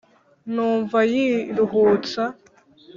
Numva yiruhutsa